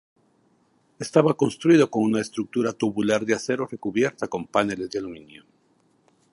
Estaba construido con una estructura tubular de acero recubierta con paneles de aluminio.